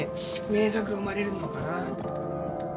名作が生まれるのかな。